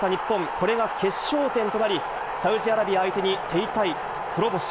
これが決勝点となり、サウジアラビア相手に手痛い黒星。